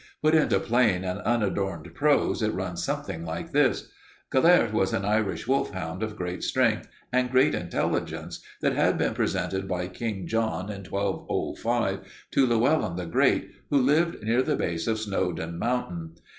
Put into plain and unadorned prose, it runs something like this: Gelert was an Irish wolfhound of great strength and great intelligence that had been presented by King John in 1205 to Llewelyn the Great, who lived near the base of Snowdon Mountain.